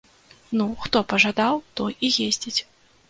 Ну, хто пажадаў, той і ездзіць.